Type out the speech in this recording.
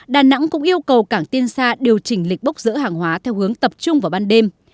đà nẵng cũng yêu cầu cảng tiên sa điều chỉnh lịch bốc rỡ hàng hóa theo hướng tập trung vào ban đêm